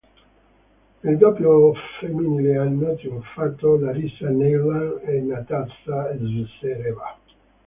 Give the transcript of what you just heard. Nel doppio femminile hanno trionfato Larisa Neiland e Nataša Zvereva.